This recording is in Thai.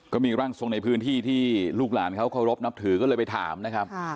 ก็มีร่างทรงในพื้นที่ที่ลูกหลานเขาเคารพนับถือก็เลยไปถามนะครับ